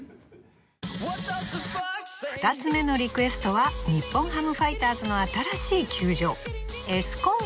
２つ目のリクエストは日本ハムファイターズの新しい球場